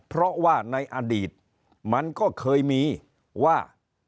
เพราะว่าในอดีตมันก็เคยมีว่า